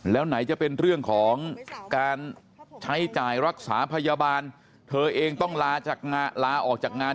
แล้วไหนจะเป็นเรื่องของการใช้จ่ายรักษาพยาบาลเธอเองต้องลาจากลาออกจากงาน